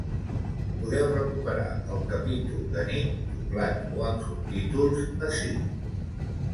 Podeu recuperar el capítol d’anit —doblat o amb subtítols— ací.